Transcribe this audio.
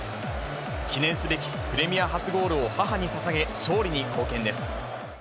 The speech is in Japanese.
記念すべきプレミア初ゴールを母にささげ、勝利に貢献です。